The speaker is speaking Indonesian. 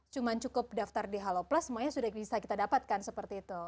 cuma cukup daftar di halo plus semuanya sudah bisa kita dapatkan seperti itu